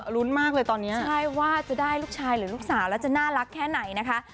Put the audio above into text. รุ้นมากเลยตอนนี้ใช่ว่าจะได้ลูกชายหรือลูกสาวแล้วจะน่ารักแค่ไหนนะคะ